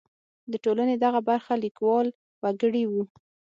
د ټولنې دغه برخه کلیوال وګړي وو.